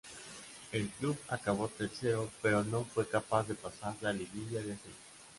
El club acabó tercero pero no fue capaz de pasar la liguilla de ascenso.